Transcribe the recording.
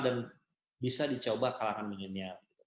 dan bisa dicoba kalangan milenial